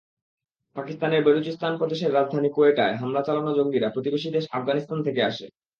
পাকিস্তানের বেলুচিস্তান প্রদেশের রাজধানী কোয়েটায় হামলা চালানো জঙ্গিরা প্রতিবেশী দেশ আফগানিস্তান থেকে আসে।